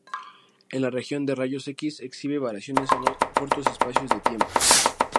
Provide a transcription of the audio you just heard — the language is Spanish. En la región de rayos X, exhibe variaciones en cortos espacios de tiempo.